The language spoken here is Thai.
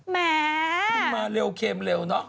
แหมคุณมาเร็วเคมเร็วเนอะ